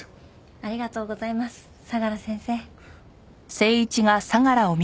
ありがとうございます相良先生。